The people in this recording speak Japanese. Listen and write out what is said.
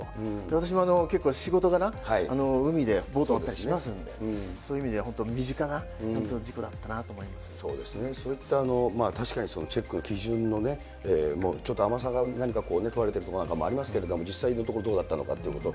私も結構仕事柄、海でボート乗ったりしますので、そういう意味では本当に身近な事そうですね、そういった確かにチェックの基準も、ちょっと甘さが何か問われてることもありますけど、実際のところ、どうだったのかというところ。